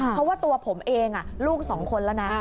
เพราะว่าตัวผมเองลูกสองคนแล้วนะ